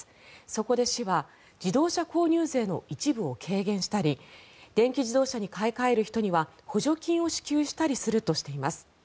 そこで市は自動車購入税の一部を軽減したり電気自動車に買い替える人には補助金を支給したりするとしています。